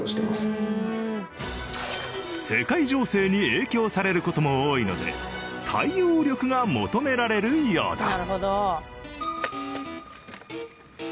世界情勢に影響される事も多いので対応力が求められるようだ。